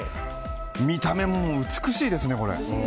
見た目も美しいですね、これ。